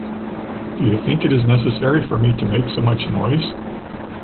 Do you think it is necessary for me to make so much noise?